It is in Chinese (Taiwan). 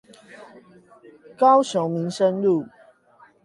高雄民生路